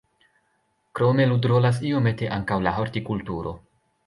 Krome ludrolas iomete ankaŭ la hortikulturo.